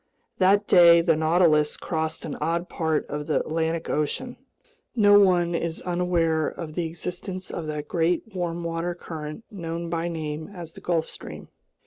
That day the Nautilus crossed an odd part of the Atlantic Ocean. No one is unaware of the existence of that great warm water current known by name as the Gulf Stream.